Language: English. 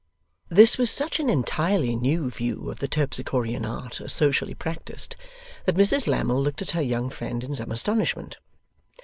This was such an entirely new view of the Terpsichorean art as socially practised, that Mrs Lammle looked at her young friend in some astonishment.